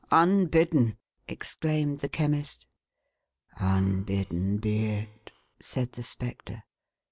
Unbidden," exclaimed the Chemist. " Unbidden be it,11 said the Spectre.